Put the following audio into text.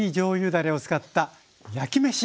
だれを使った焼きめし！